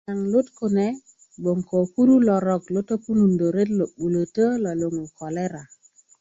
naŋ lut kune gbon ko kuru lorok topunundö ret lo 'bulötö lo luŋu kolera